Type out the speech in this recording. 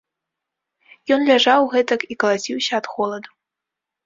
Ён ляжаў гэтак і калаціўся ад холаду.